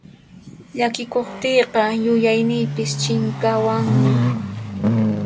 Llakikuqtiyqa yuyayniypis chinkawanmi.